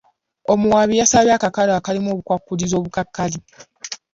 Omuwaabi yasabye akakalu akalimu obukwakkulizo obukakali.